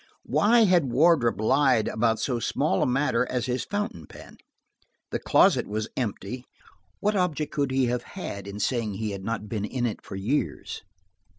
Why had Wardrop lied about so small a matter as his fountain pen? The closet was empty: what object could he have had in saying he had not been in it for years?